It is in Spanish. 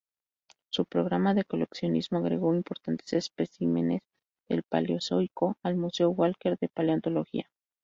Su programa de coleccionismo agregó importantes especímenes del Paleozoico al Museo Walker de Paleontología.